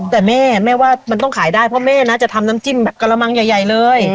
แต่แม่แม่ว่ามันต้องขายได้เพราะแม่นะจะทำน้ำจิ้มแบบกระมังใหญ่เลย